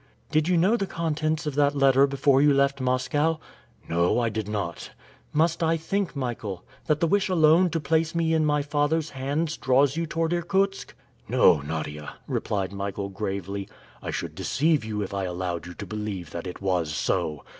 "Did you know the contents of that letter before you left Moscow?" "No, I did not know." "Must I think, Michael, that the wish alone to place me in my father's hands draws you toward Irkutsk?" "No, Nadia," replied Michael, gravely. "I should deceive you if I allowed you to believe that it was so.